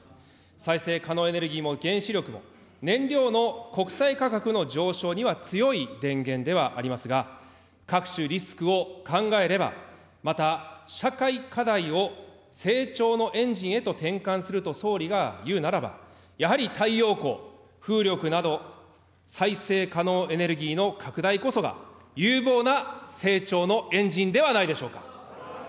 再生可能エネルギーも原子力も、燃料の国際価格の上昇には強い電源ではありますが、各種リスクを考えれば、また、社会課題を成長のエンジンへと転換すると総理が言うならば、やはり太陽光、風力など、再生可能エネルギーの拡大こそが有望な成長のエンジンではないでしょうか。